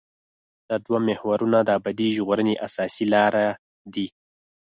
دا دوه محورونه د ابدي ژغورنې اساسي لاره دي.